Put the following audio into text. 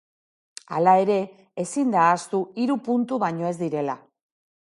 Hala ere, ezin da ahaztu hiru puntu baino ez direla.